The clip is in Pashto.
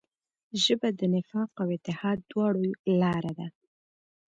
ژبه د نفاق او اتحاد دواړو لاره ده